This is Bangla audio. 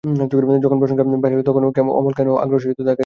যখন প্রশংসা বাহির হইল তখন অমল কেন আগ্রহের সহিত তাহাকে দেখাইতে আসিল না।